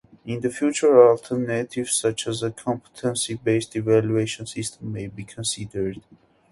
In the future alternatives such as a competency based evaluation system may be considered.